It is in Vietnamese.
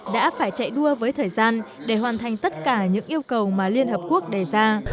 đã phải chạy đua với thời gian để hoàn thành tất cả những yêu cầu mà liên hợp quốc đề ra